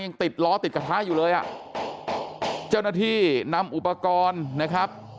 ยังติดล้อติดกระทะอยู่เลยอ่ะเจ้าหน้าที่นำอุปกรณ์นะครับ